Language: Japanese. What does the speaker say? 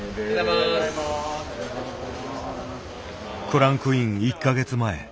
クランクイン１か月前。